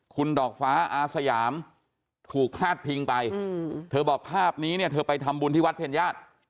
คุณดอกฟ้าอาสยามถูกพาดพิงไปเธอบอกภาพนี้เนี่ยเธอไปทำบุญที่วัดเพญญาติ